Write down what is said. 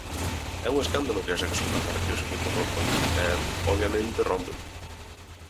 É un escándalo que haxa que sufragar que os equipos rompan, e, obviamente, rompen.